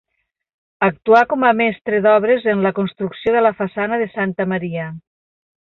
Actuà com a mestre d'obres en la construcció de la façana de Santa Maria.